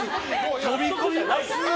飛び込みます。